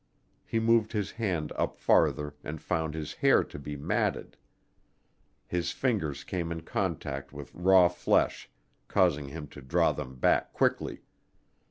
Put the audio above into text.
He moved his hand up farther and found his hair to be matted. His fingers came in contact with raw flesh, causing him to draw them back quickly.